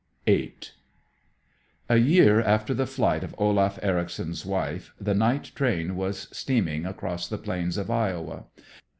VIII A year after the flight of Olaf Ericson's wife, the night train was steaming across the plains of Iowa.